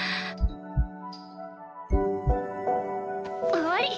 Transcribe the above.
終わり！